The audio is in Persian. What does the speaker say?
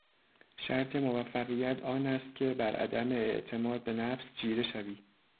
شرط موفقیت آن است که بر عدم اعتماد به نفس چیره شوی!